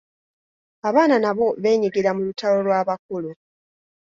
Abaana nabo beenyigira mu lutalo lw'abakulu.